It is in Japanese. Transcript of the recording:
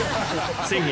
先月